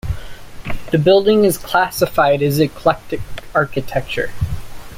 The building is classified as eclectic architecture.